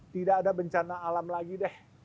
tidak ada bencana alam lagi deh